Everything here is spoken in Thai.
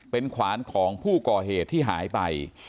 เป็นขวานของผู้ก่อเหตุที่หายไป